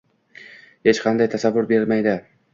Hech qanday tasavvur bermaydi.